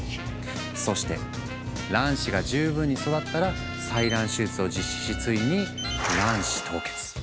そして卵子が十分に育ったら採卵手術を実施しついに卵子凍結。